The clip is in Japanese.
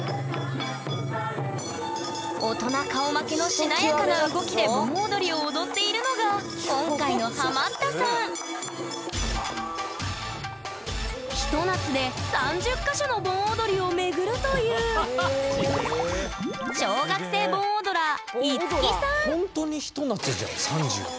大人顔負けのしなやかな動きで盆踊りを踊っているのが今回のハマったさんひと夏で３０か所の盆踊りを巡るというほんとにひと夏じゃん３０。